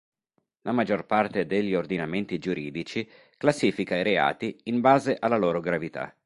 La maggior parte degli ordinamenti giuridici classifica i reati in base alla loro gravità.